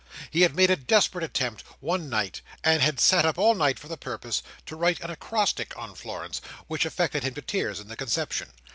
He had made a desperate attempt, one night, and had sat up all night for the purpose, to write an acrostic on Florence, which affected him to tears in the conception.